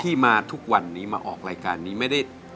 ที่มาทุกวันนี้มาออกรายการนี้ไม่ได้